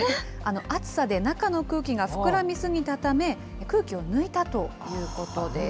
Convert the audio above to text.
暑さで中の空気が膨らみすぎたため、空気を抜いたということです。